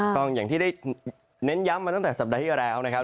อย่างที่ได้เน้นย้ำมาตั้งแต่สัปดาห์ที่แล้วนะครับ